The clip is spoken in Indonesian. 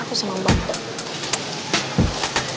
aku seneng banget